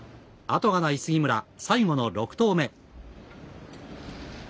後がない杉村、最後の６投目。